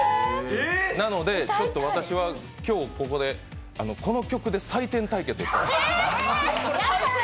なので私は今日、ここでこの曲で採点対決をしたい。